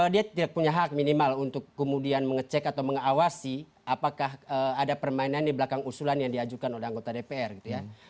dia tidak punya hak minimal untuk kemudian mengecek atau mengawasi apakah ada permainan di belakang usulan yang diajukan oleh anggota dpr gitu ya